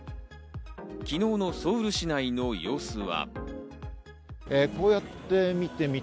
昨日のソウル市内の様子は。